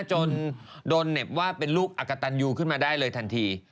จนโดนเหน็บว่าเป็นลูกอักกตันยูขึ้นมาได้เลยทันที